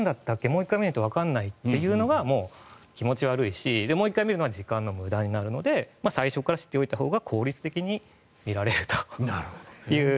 もう１回見ないとわからないというのがもう気持ち悪いしもう１回見るのは時間の無駄になるので最初から知っておいたほうが効率的に見られるという。